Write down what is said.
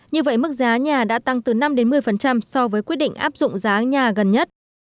như vậy mức giá nhà đã tăng từ năm một mươi so với quyết định áp dụng giá nhà gần nhất